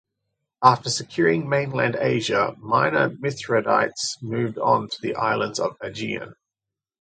After securing mainland Asia Minor Mithridates moved on to the islands of the Aegean.